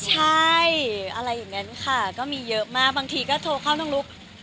ใช่อะไรอย่างนั้นค่ะก็มีเยอะมากบางทีก็โทรเข้าน้องลุ๊ก